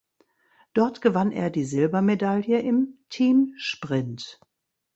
Dort gewann er die Silbermedaille im Teamsprint.